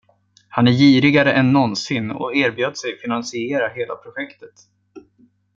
Han är girigare än någonsin, och erbjöd sig finansiera hela projektet.